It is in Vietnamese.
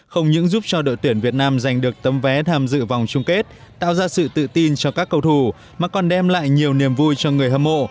không những giúp cho đội tuyển việt nam giành được tấm vé tham dự vòng chung kết tạo ra sự tự tin cho các cầu thủ mà còn đem lại nhiều niềm vui cho người hâm mộ